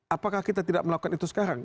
apakah kita tidak melakukan itu sekarang